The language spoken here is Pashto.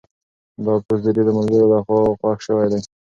دا پوسټ د ډېرو ملګرو لخوا خوښ شوی دی.